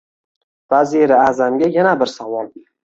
Vaziri a’zamga yana bir savol: